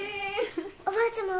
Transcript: おばあちゃま